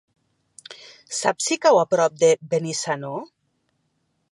Saps si cau a prop de Benissanó?